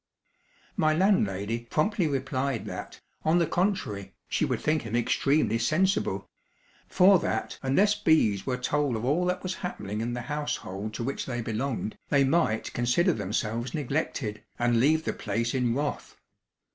My landlady promptly replied that, on the contrary, she would think him extremely sensible; for that, unless bees were told of all that was happening in the household to which they belonged, they might consider themselves neglected, and leave the place in wrath.